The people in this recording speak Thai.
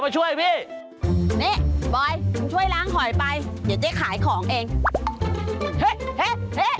มามามาเอ่อเอ่อเอ่อ